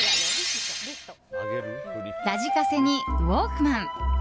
ラジカセにウォークマン。